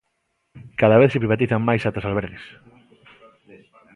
Cada vez se privatizan máis ata os albergues.